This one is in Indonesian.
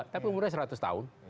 tapi umurnya seratus tahun